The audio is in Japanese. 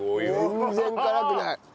全然辛くない。